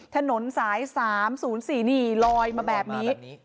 ถนนสาย๓๐๔นี่ลอยมาแบบนี้